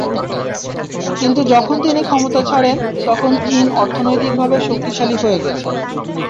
কিন্তু যখন তিনি ক্ষমতা ছাড়েন, তখন চীন অর্থনৈতিকভাবে শক্তিশালী হয়ে গেছে।